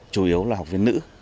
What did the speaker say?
chủ yếu là học viên nữ